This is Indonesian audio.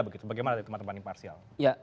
bagaimana dari teman teman dari imparsial